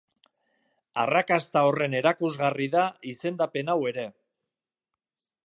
Arrakasta horren erakusgarri da izendapen hau ere.